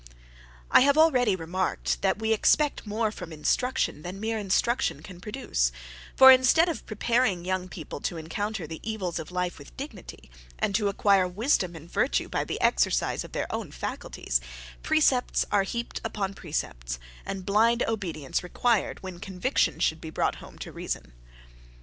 I have already remarked, that we expect more from instruction, than mere instruction can produce: for, instead of preparing young people to encounter the evils of life with dignity, and to acquire wisdom and virtue by the exercise of their own faculties, precepts are heaped upon precepts, and blind obedience required, when conviction should be brought home to reason.